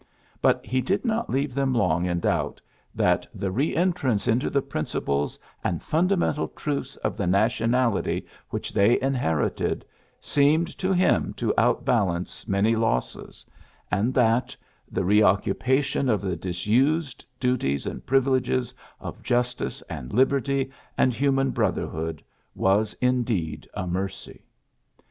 But he did not leave them long in doubt that ^' the re entrance into the principles and fundamental truths of the nationality which they inherited ^' seemed to him to outbalance many losses, and that ^^the reoccupa tion of the disused duties and privileges of justice and liberty and human brother hood'^ was indeed a mercy.